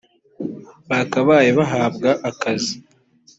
bakabaye bahabwa akazi”